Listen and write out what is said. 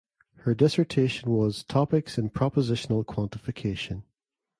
Her dissertation was "Topics in Propositional Quantification".